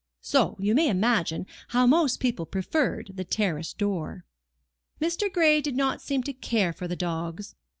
So you may imagine how most people preferred the terrace door. Mr. Gray did not seem to care for the dogs.